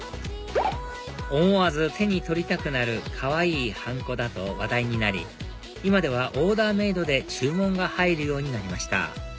思わず手に取りたくなるかわいいハンコだと話題になり今ではオーダーメイドで注文が入るようになりました